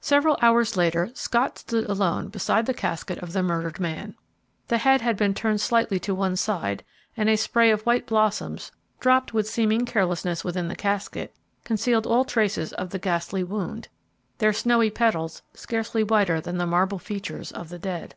Several hours later Scott stood alone beside the casket of the murdered man. The head had been turned slightly to one side and a spray of white blossoms, dropped with seeming carelessness within the casket, concealed all traces of the ghastly wound, their snowy petals scarcely whiter than the marble features of the dead.